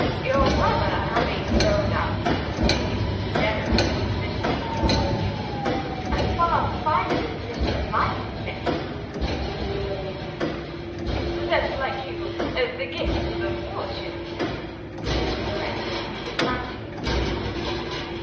Your brother, having no doubt the same generous disposition as yours " "A far finer disposition than mine, Mr. Finch," interposed Oscar. "Possessed, like you, of the gifts of fortune," proceeded the rector, with mounting enthusiasm.